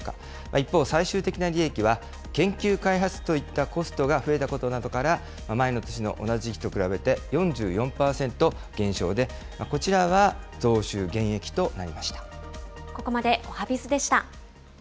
一方、最終的な利益は研究開発といったコストが増えたことなどから、前の年の同じ時期と比べて４４％減少で、こちらは増収減益となりました。